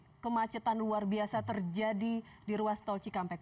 jurgen dini hari tadi kemacetan luar biasa terjadi di ruas tol cikampek